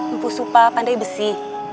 mumpu supa pandai besi